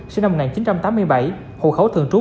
sinh năm một nghìn chín trăm tám mươi bảy hồ khấu thường trú